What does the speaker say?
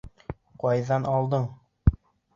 Ҡайҙан алдың?